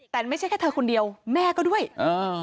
แต่ไม่ใช่แค่เธอคนเดียวแม่ก็ด้วยอ่า